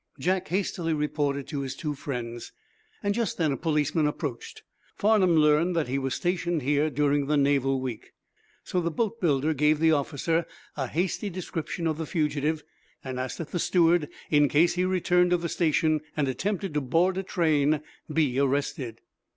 Jack hastily reported to his two friends. Just then a policeman approached. Farnum learned that he was stationed here during the naval week. So the boatbuilder gave the officer a hasty description of the fugitive and asked that the steward, in case he returned to the station, and attempted to board a train, be arrested.